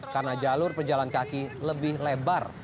karena jalur perjalan kaki lebih lebar